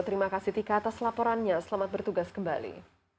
terima kasih tika atas laporannya selamat bertugas kembali